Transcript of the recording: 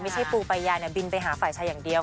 ไม่ใช่ปูปัญญาบินไปหาฝ่ายชายอย่างเดียว